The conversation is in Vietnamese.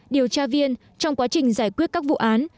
điều tra viên trong quá trình giải quyết các vụ án